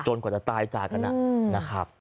กว่าจะตายจากกันนะครับ